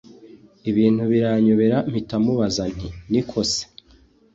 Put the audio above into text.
ibintu biranyobera mpita mubaza nti: niko se!